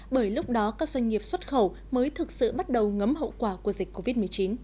bởi lúc đó các doanh nghiệp xuất khẩu mới thực sự bắt đầu ngấm hậu quả của dịch covid một mươi chín